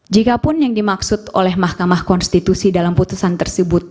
jikapun yang dimaksud oleh mahkamah konstitusi dalam putusan tersebut